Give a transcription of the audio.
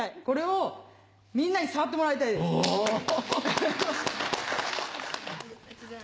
これをみんなに触ってもらいたいです。